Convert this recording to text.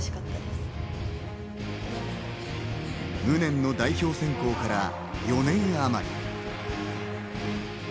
無念の代表選考から４年あまり。